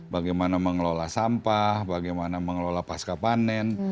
bagaimana mengelola sampah bagaimana mengelola pasca panen